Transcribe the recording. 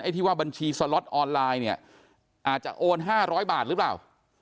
ที่ว่าบัญชีสล็อตออนไลน์เนี่ยอาจจะโอน๕๐๐บาทหรือเปล่า